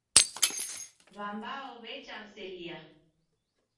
W'ambao w'echamselia.